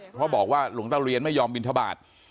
เพราะบอกว่าหลวงตะเรียนไม่ยอมบินทบาท